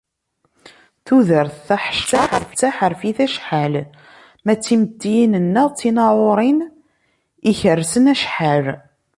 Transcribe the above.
Tudert taḥeccadt d taḥerfit acḥal, ma d timettiyin-nneɣ d tinaεurin ikersen acḥal!